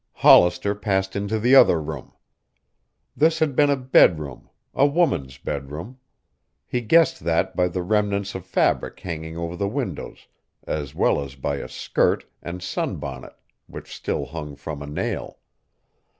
Hollister passed into the other room. This had been a bedroom, a woman's bedroom. He guessed that by the remnants of fabric hanging over the windows, as well as by a skirt and sunbonnet which still hung from a nail.